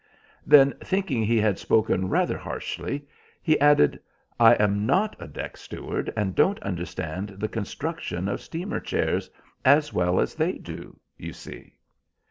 Then, thinking he had spoken rather harshly, he added, "I am not a deck steward, and don't understand the construction of steamer chairs as well as they do, you see."